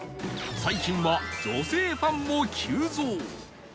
最近は女性ファンも急増